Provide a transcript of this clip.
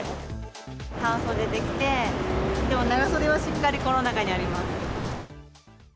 半袖で来て、でも長袖もしっかりこの中にあります。